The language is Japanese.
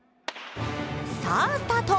さぁ、スタート！